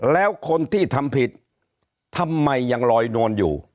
แล้วคนที่ทำผิดทำไมยังลอยนวลอยู่